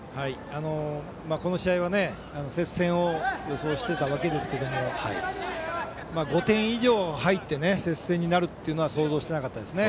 この試合は接戦を予想してたわけですけども５点以上入って接戦になるというのは予想してなかったですね。